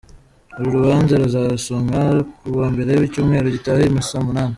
Uru rubanza ruzasomwa ku wa mbere w’icyumweru gitaha i saa munani.